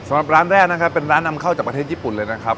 สำหรับร้านแรกนะครับเป็นร้านนำเข้าจากประเทศญี่ปุ่นเลยนะครับ